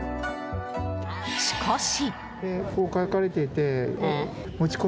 しかし。